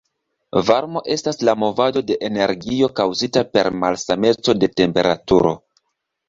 Varmo estas la movado de energio kaŭzita per malsameco de temperaturo.